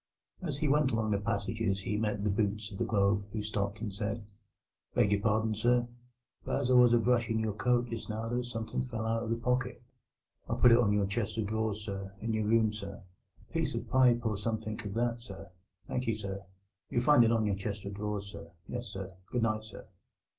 As he went along the passages he met the boots of the Globe, who stopped and said: "Beg your pardon, sir, but as I was a brushing your coat just now there was somethink fell out of the pocket. I put it on your chest of drawers, sir, in your room, sir—a piece of a pipe or somethink of that, sir. Thank you, sir. You'll find it on your chest of drawers, sir—yes, sir. Good night, sir."